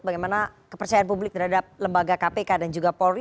bagaimana kepercayaan publik terhadap lembaga kpk dan juga polri